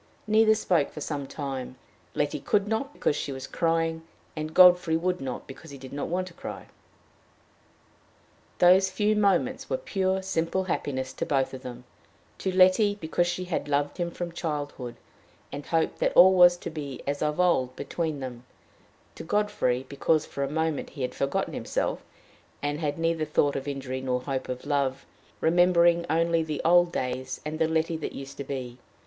Neither spoke for some time; Letty could not because she was crying, and Godfrey would not because he did not want to cry. Those few moments were pure, simple happiness to both of them; to Letty, because she had loved him from childhood, and hoped that all was to be as of old between them; to Godfrey, because, for the moment, he had forgotten himself, and had neither thought of injury nor hope of love, remembering only the old days and the Letty that used to be.